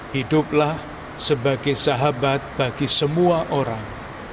hiduplah sebagai sahabat bagi semua orang